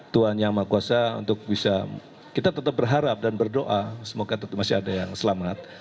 tuhan yang maha kuasa untuk bisa kita tetap berharap dan berdoa semoga masih ada yang selamat